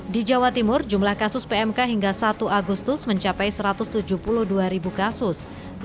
di jawa timur jumlah kasus pmk hingga satu agustus mencapai satu ratus tujuh puluh dua kasus